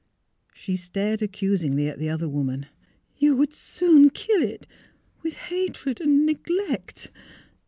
She stared accusingly at the other woman. " You would soon kill it — with hatred and neglect!